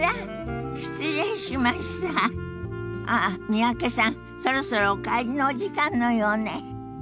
三宅さんそろそろお帰りのお時間のようね。